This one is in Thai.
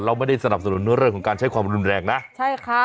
เราไม่ได้สนับสนุนเรื่องของการใช้ความรุนแรงนะใช่ค่ะ